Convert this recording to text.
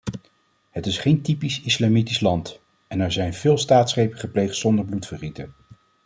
Het is geen typisch islamitisch land, en er zijn veel staatsgrepen gepleegd zonder bloedvergieten.